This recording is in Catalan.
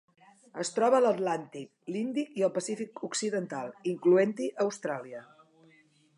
Es troba a l'Atlàntic, l'Índic i el Pacífic occidental, incloent-hi Austràlia.